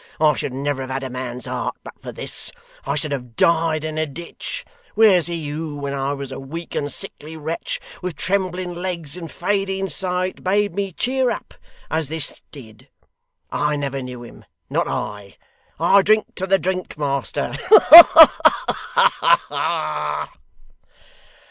I should never have had a man's heart but for this. I should have died in a ditch. Where's he who when I was a weak and sickly wretch, with trembling legs and fading sight, bade me cheer up, as this did? I never knew him; not I. I drink to the drink, master. Ha ha ha!